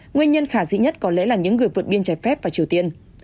nguyên nhân khả dĩ nhất có lẽ là những người vượt biên trái phép vào triều tiên